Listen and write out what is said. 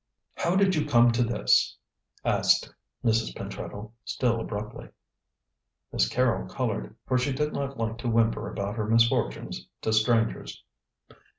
"How did you come to this?" asked Mrs. Pentreddle, still abruptly. Miss Carrol coloured, for she did not like to whimper about her misfortunes to strangers.